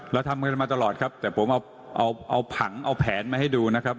เราทำกันมาตลอดครับแต่ผมเอาผังเอาแผนมาให้ดูนะครับ